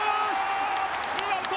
ツーアウト。